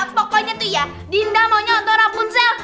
pokoknya itu ya dinda maunya nonton rapunzel